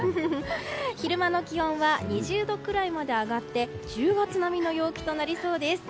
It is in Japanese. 昼間の気温は２０度ぐらいまで上がって１０月並みの陽気となりそうです。